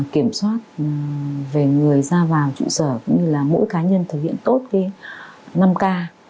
kiểm soát về người ra vào trụ sở cũng như là mỗi cá nhân thực hiện tốt năm k